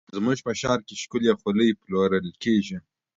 زموږ په ښار کې ښکلې خولۍ پلورل کېږي.